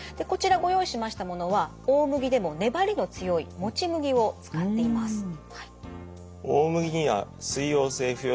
こちらご用意しましたものは大麦でも粘りの強いもち麦を使っています。